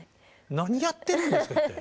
何やってるんですか？